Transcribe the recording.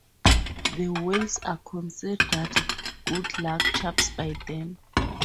The whales are considered good luck charms by them.